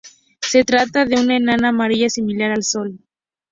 Se trata de una enana amarilla similar al Sol.